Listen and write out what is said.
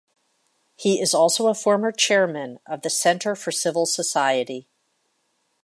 He is also a former Chairman of the Centre for Civil Society.